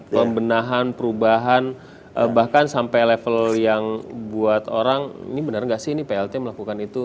pembenahan perubahan bahkan sampai level yang buat orang ini benar nggak sih ini plt melakukan itu